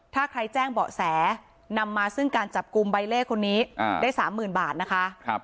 ถ้าใครแจ้งเบาะแสนำมาซึ่งการจับกลุ่มใบเล่คนนี้ได้๓๐๐๐บาทนะคะ